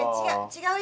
違う。